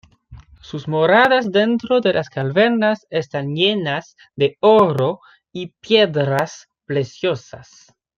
Sus moradas dentro de las cavernas están llenas de oro y piedras preciosas.